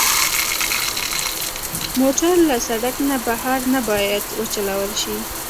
موټر له سړک نه بهر نه باید وچلول شي.